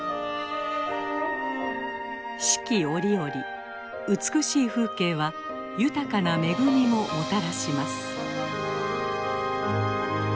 四季折々美しい風景は豊かな恵みももたらします。